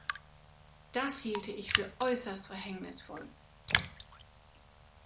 Das hielte ich für äußerst verhängnisvoll.